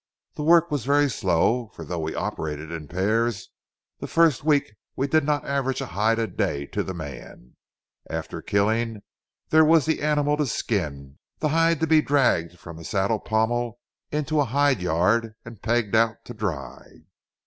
The work was very slow; for though we operated in pairs, the first week we did not average a hide a day to the man; after killing, there was the animal to skin, the hide to be dragged from a saddle pommel into a hide yard and pegged out to dry.